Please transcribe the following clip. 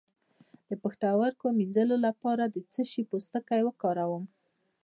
د پښتورګو د مینځلو لپاره د څه شي پوستکی وکاروم؟